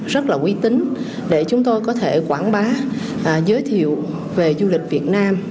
rất là quý tính để chúng tôi có thể quảng bá giới thiệu về du lịch việt nam